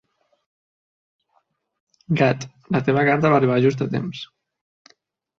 Gad, la teva carta va arribar just a temps.